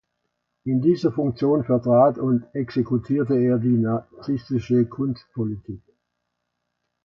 In dieser Funktion vertrat und exekutierte er die nazistische Kunstpolitik.